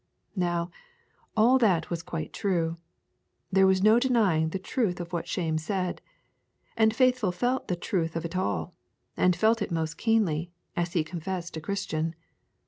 Now, all that was quite true. There was no denying the truth of what Shame said. And Faithful felt the truth of it all, and felt it most keenly, as he confessed to Christian.